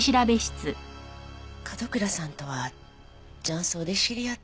角倉さんとは雀荘で知り合って。